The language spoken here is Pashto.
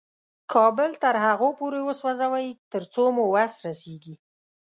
کابل تر هغو پورې وسوځوئ تر څو مو وس رسېږي.